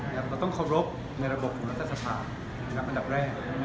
เราต้องเคารพในระบบของรัฐสภาอันดับแรก